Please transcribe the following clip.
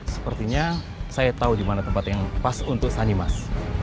sepertinya saya tahu dimana tempat yang pas untuk sanimas